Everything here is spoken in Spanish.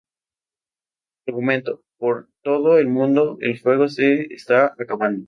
Argumento: Por todo el mundo, el fuego se está acabando.